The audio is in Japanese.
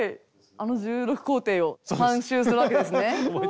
あの１６工程を３周するわけですね。